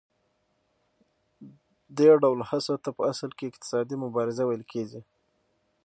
دې ډول هڅو ته په اصل کې اقتصادي مبارزه ویل کېږي